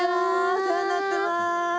お世話になってます。